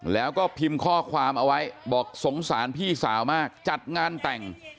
แล้วก็พิมพ์ข้อความเอาไว้บอกสงสารพี่สาวมากจัดงานแต่ง